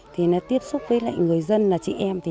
tiếp xúc với người dân là chị em